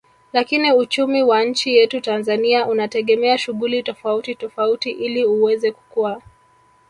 Lakini uchumi wa nchi yetu Tanzania unategemea shughuli tofauti tofauti ili uweze kukua